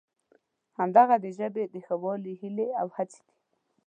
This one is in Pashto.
همدغه د سبا د ښه والي هیلې او هڅې دي.